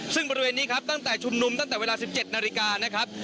ซึ่งบริเวณนี้ครับตั้งแต่ชุมนุมตั้งแต่เวลา๑๗นาฬิกานะครับ